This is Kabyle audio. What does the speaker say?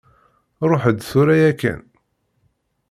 Ṛuḥ-d tura yakkan!